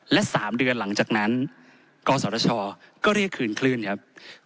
และ๓เดือนหลังจากนั้นกศชก็เรียกคืนคลื่นครับ